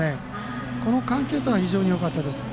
この緩急差が非常によかったです。